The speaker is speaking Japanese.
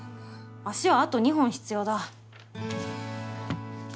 脚はあと２本必要だ。